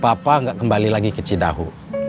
papa nggak kembali lagi ke cidahu